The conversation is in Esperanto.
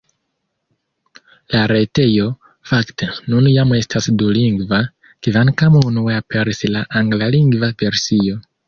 La retejo, fakte, nun jam estas dulingva, kvankam unue aperis la anglalingva versio.